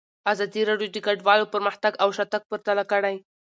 ازادي راډیو د کډوالو پرمختګ او شاتګ پرتله کړی.